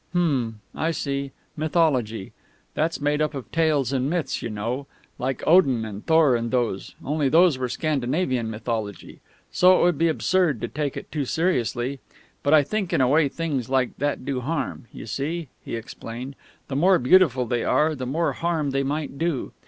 "_ "Hm! I see. Mythology. That's made up of tales, and myths, you know. Like Odin and Thor and those, only those were Scandinavian Mythology. So it would be absurd to take it too seriously. But I think, in a way, things like that do harm. You see," he explained, "the more beautiful they are the more harm they might do.